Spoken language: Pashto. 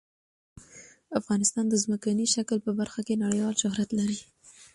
افغانستان د ځمکنی شکل په برخه کې نړیوال شهرت لري.